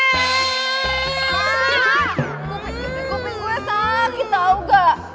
gue hadirnya keping gue sakit tau gak